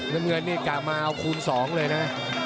น้ำเงินนี่กะมาเอาคูณสองเลยนะ